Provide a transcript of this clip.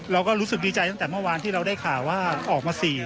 เราก็รู้สึกดีใจตั้งแต่เมื่อวานที่เราได้ข่าวว่าออกมา๔